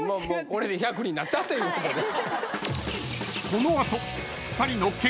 これで１００になったということで。